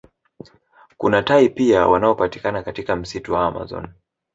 Kuna tai pia wanaopatikana katika msitu wa amazon